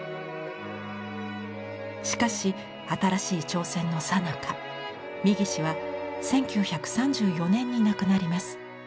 しかし新しい挑戦のさなか三岸は１９３４年に亡くなります。